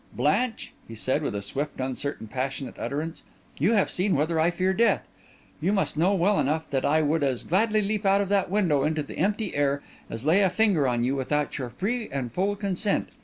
"Blanche," he said, with a swift, uncertain, passionate utterance, "you have seen whether I fear death. You must know well enough that I would as gladly leap out of that window into the empty air as lay a finger on you without your free and full consent.